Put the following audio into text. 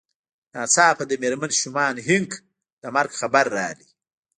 ناڅاپه د مېرمن شومان هينک د مرګ خبر راغی.